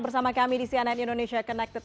bersama kami di cnn indonesia connected